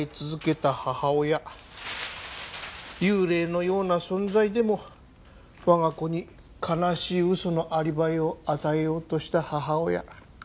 幽霊のような存在でも我が子に悲しい嘘のアリバイを与えようとした母親。